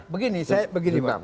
begini saya begini